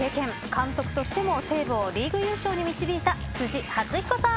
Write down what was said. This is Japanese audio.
監督としても西武をリーグ優勝に導いた辻発彦さん。